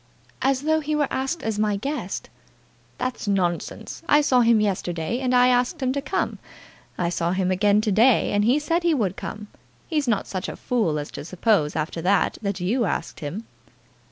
"As though he were asked as my guest." "That's nonsense. I saw him yesterday, and I asked him to come. I saw him again to day, and he said he would come. He's not such a fool as to suppose after that, that you asked him."